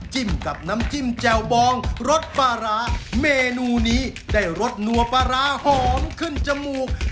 กับน้ำจิ้มแจ่วบองรสปลาร้าเมนูนี้ได้รสนัวปลาร้าหอมขึ้นจมูก